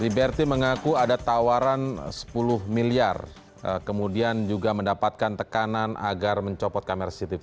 liberty mengaku ada tawaran sepuluh miliar kemudian juga mendapatkan tekanan agar mencopot kamera cctv